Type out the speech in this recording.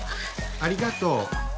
ありがとう。